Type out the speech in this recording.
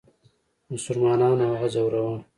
مسلمانانو هغه ځوراوه.